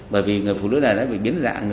bởi vì người phụ nữ này bị biến dạng